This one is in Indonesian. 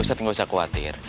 ustadz gak usah khawatir